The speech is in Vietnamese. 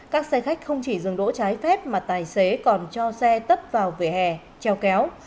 các xe khách không chỉ dừng đỗ trái phép mà tài xế còn cho xe tấp vào vỉa hè treo kéo